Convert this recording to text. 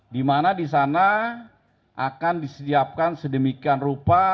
dimana disana akan disediapkan sedemikian rupa